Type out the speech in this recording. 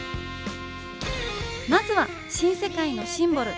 まずは新世界のシンボル